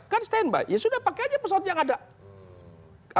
kan stand by ya sudah pakai saja pesawat yang ada